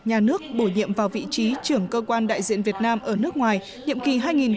nhà nước bổ nhiệm vào vị trí trưởng cơ quan đại diện việt nam ở nước ngoài nhậm ký hai nghìn một mươi chín hai nghìn hai mươi hai